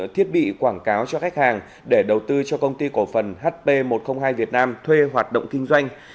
thiết bị quảng cáo cho khách hàng để đầu tư cho công ty cổ phần hp một trăm linh hai việt nam thuê hoạt động kinh doanh